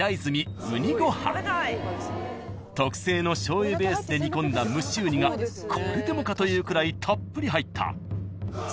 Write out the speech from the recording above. ［特製のしょうゆベースで煮込んだ蒸しうにがこれでもかというくらいたっぷり入った］